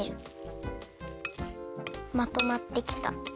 まとまってきた。